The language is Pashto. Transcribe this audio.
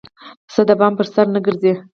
پسه د بام پر سر نه ګرځي.